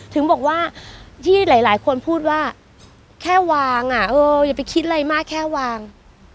ถึงบอกว่าที่หลายคนพูดว่าแค่วางอ่ะเอออย่าไปคิดอะไรมากแค่วาง